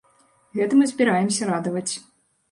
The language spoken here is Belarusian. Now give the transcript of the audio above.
Гэтым і збіраемся радаваць.